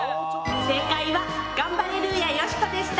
正解はガンバレルーヤよしこでした。